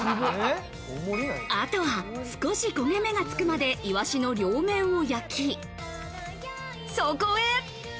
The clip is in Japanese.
あとは少し焦げ目がつくまでいわしの両面を焼き、そこへ。